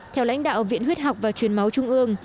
theo lãnh đạo viện huyết học và truyền máu trung ương